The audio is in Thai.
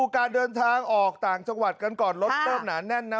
การเดินทางออกต่างจังหวัดกันก่อนรถเริ่มหนาแน่นนะ